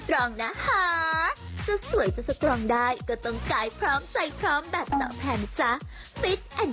โปรดติดตามตอนต่อไป